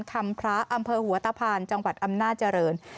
พระอำเภอหัวตะพานจังหวัดอำนาจริง